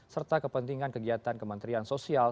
serta kepentingan kegiatan kementerian sosial